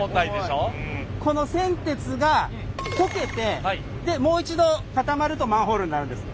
この銑鉄が溶けてもう一度固まるとマンホールになるんです。